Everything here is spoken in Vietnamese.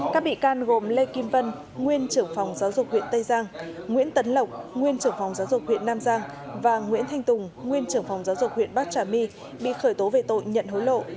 các bị can gồm lê kim vân nguyên trưởng phòng giáo dục huyện tây giang nguyễn tấn lộc nguyên trưởng phòng giáo dục huyện nam giang và nguyễn thanh tùng nguyên trưởng phòng giáo dục huyện bắc trà my bị khởi tố về tội nhận hối lộ